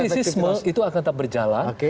inisisme itu akan tetap berjalan